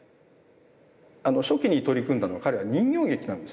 初期に取り組んだのは彼は人形劇なんです。